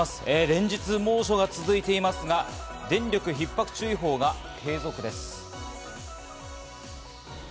連日猛暑が続いていますが、電力ひっ迫注意報が継続です。